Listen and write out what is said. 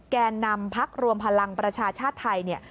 แกนนำพักรวมพลังประชาชาติไทย